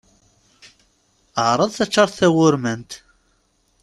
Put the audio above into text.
Ɛṛeḍ taččart tawurmant.